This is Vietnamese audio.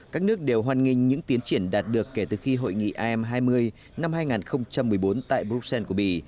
các nước đều hoan nghênh những tiến triển đạt được kể từ khi hội nghị am hai mươi năm hai nghìn một mươi bốn tại bruxelles của bỉ